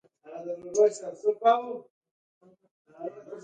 د عطرونو فرق د موادو او مارکیټ له نرخونو سره تړلی وي